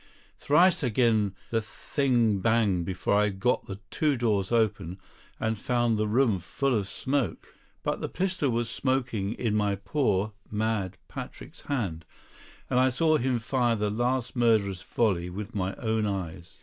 Thrice again the thing banged before I got the two doors open and found the room full of smoke; but the pistol was smoking in my poor, mad Patrick's hand; and I saw him fire the last murderous volley with my own eyes.